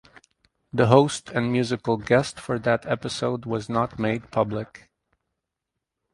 The host and musical guest for that episode was not made public.